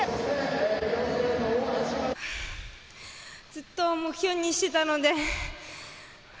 ずっと目標にしてたので。